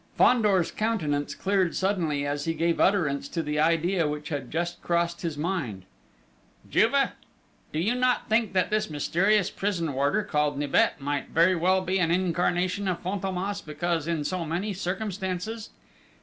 Fandor's countenance cleared suddenly as he gave utterance to the idea which had just crossed his mind. "Juve, do you not think that this mysterious prison warder, called Nibet, might very well be an incarnation of Fantômas, because in so many circumstances